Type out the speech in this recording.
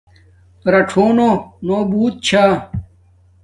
رڞنݸنݸ بوت چھا